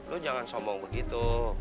lu jangan sombong begitu